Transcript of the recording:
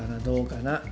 どうかな？